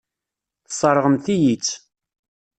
Tesseṛɣemt-iyi-tt.